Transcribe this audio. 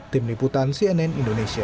tim liputan cnn indonesia